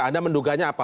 anda menduganya apa